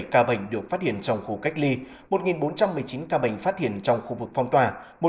bốn năm trăm bảy mươi bảy ca bệnh được phát hiện trong khu cách ly một bốn trăm một mươi chín ca bệnh phát hiện trong khu vực phong tòa